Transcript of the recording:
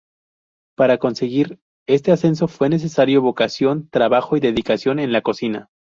Para conseguir este ascenso fue necesario vocación, trabajo y dedicación en la cocina.